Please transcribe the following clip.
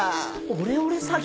オレオレ詐欺？